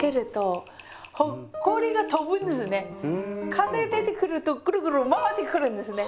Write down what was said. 風出てくるとぐるぐる回ってくるんですね。